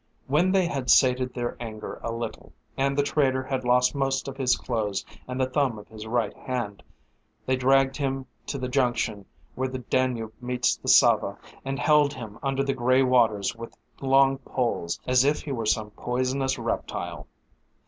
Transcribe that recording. When they had sated their anger a little and the traitor had lost most of his clothes and the thumb of his right hand, they dragged him to the junction where the Danube meets the Sava and held him under the gray waters with long poles, as if he was some poisonous reptile.